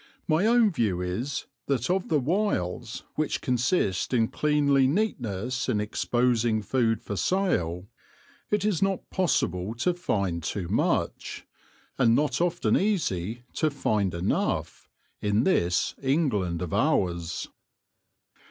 My own view is that of the "wyles" which consist in cleanly neatness in exposing food for sale it is not possible to find too much, and not often easy to find enough, in this England of ours.